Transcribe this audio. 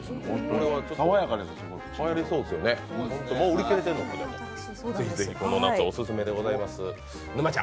これははやりそうですよね、もう売り切れてるのか、ぜひぜひこの夏、オススメです。